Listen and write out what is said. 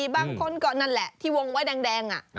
บางคนก็นั่นแหละที่วงไว้แดง